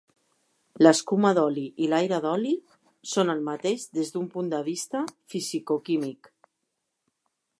L'escuma d'oli i l'aire d'oli són el mateix des d’un punt de vista fisicoquímic.